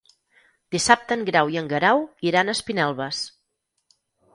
Dissabte en Grau i en Guerau iran a Espinelves.